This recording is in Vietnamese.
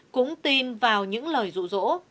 cũng tin vào những lời rủ rỗ